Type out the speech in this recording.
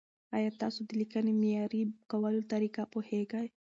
ایا تاسو د لیکنې معیاري کولو طریقه پوهېږئ؟